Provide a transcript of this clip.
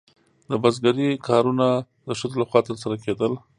د بزګرۍ کارونه د ښځو لخوا ترسره کیدل.